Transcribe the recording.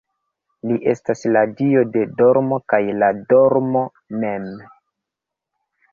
Li estas la dio de dormo kaj la dormo mem.